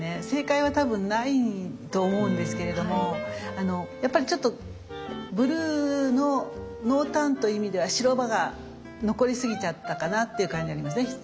正解は多分ないと思うんですけれどもやっぱりちょっとブルーの濃淡という意味では白場が残りすぎちゃったかなっていう感じありますね。